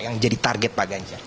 yang jadi target pak ganjar